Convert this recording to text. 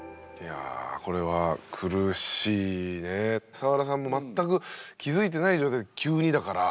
サワラさんも全く気付いてない状態で急にだから。